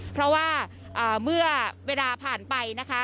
เพราะว่าเมื่อเวลาผ่านไปนะคะ